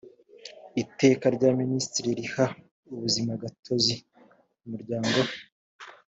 iteka rya minisitiri riha ubuzimagatozi umuryango